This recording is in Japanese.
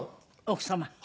奥様？